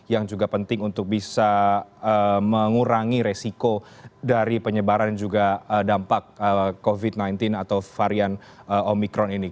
yang juga penting untuk bisa mengurangi resiko dari penyebaran juga dampak covid sembilan belas atau varian omikron ini